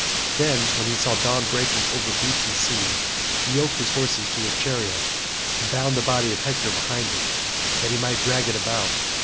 Then, when he saw dawn breaking over beach and sea, he yoked his horses to his chariot, and bound the body of Hector behind it that he might drag it about.